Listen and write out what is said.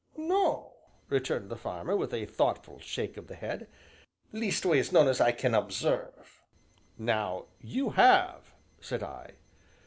"No," returned the farmer, with a thoughtful shake of the head, "leastways, none as I can observe." "Now, you have," said I.